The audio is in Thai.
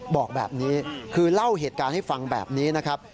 บอกแบบนี้คือเล่าเหตุการณ์ให้ฟังแบบนี้นะครับ